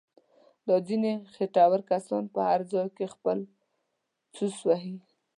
دا ځنیې خېټور کسان په هر ځای کې خپل څوس وهي.